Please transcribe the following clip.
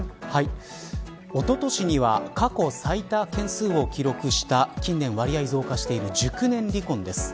おととしには過去最多件数を記録した近年、割合増加している熟年離婚です。